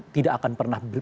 tidak akan pernah